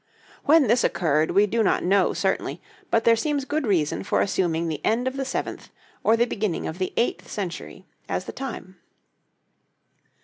When this occurred we do not know certainly, but there seems good reason for assuming the end of the seventh or the beginning of the eighth century as the time.